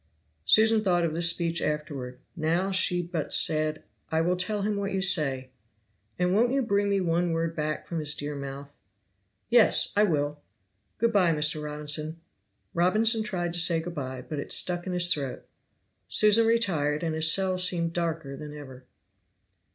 Susan thought of this speech afterward. Now she but said, "I will tell him what you say." "And won't you bring me one word back from his dear mouth?" "Yes! I will! good by, Mr. Robinson." Robinson tried to say good by, but it stuck in his throat, Susan retired, and his cell seemed darker than ever.